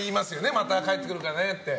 また帰ってくるからねって。